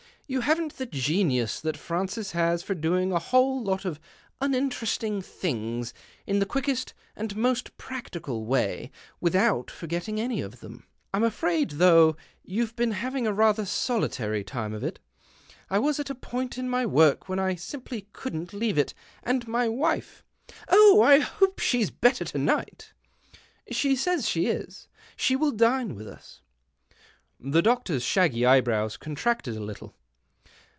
You haven't the genius that Francis has for doing a whole lot of uninterest ing things in the quickest and most practical way, without forgetting any of them. I'm afraid, though, you've been having a rather solitary time of it. I was at a point in my work when I simply couldn't leave it, and my wife "" Oh, I hope she's better to night !"" She says she is. She will dine with us." The doctor's shaggy eyebrows contracted a little.